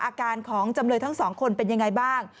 อาการของจำเลยทั้งสองคนเป็นยังไงบ้าง